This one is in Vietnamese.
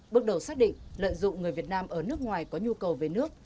bước đầu xác định lợi dụng người việt nam ở nước ngoài có nhu cầu về nước